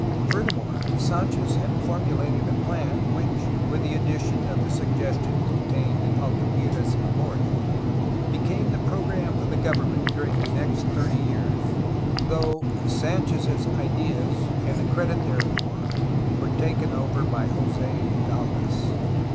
Furthermore, Sanchez had formulated a plan, which (with the addition of the suggestion contained in Altamira's memorial) became the program of the government during the next thirty years, though Sanchez's ideas and the credit therefor were taken over by Jose de Galvez.